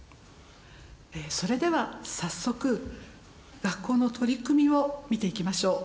えそれでは早速学校の取り組みを見ていきましょう。